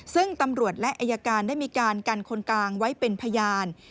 ซึ่งตำรวจและอายการได้มีการกันคนกลางไว้เป็นพยาน